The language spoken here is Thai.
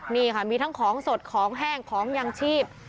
นี่ค่ะมีทั้งของสดของแห้งของยางชีพ